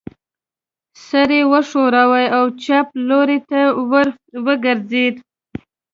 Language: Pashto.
سر یې و ښوراوه او چپ لوري ته ور وګرځېد.